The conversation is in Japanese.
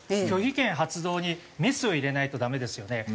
拒否権発動にメスを入れないとダメですよね。